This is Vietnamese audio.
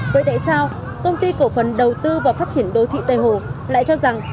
vậy tại sao công ty cổ phần đầu tư và phát triển đô thị tây hồ lại cho rằng